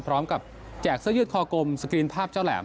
แจกเสื้อยืดคอกลมสกรีนภาพเจ้าแหลม